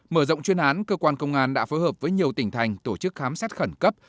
mở rộng chuyên án cơ quan công an đã phối hợp với nhiều tỉnh thành tổ chức khám xét khẩn cấp